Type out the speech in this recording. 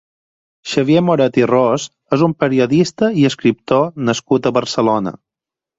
Xavier Moret i Ros és un periodista i escriptor nascut a Barcelona.